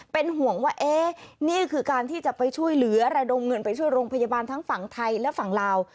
เป็นห่วงว่าเอ๊ะนี่คือการที่จะไปช่วยเหลือระดมเงินไปช่วยโรงพยาบาลทั้งฝั่งไทยและฝั่งลาว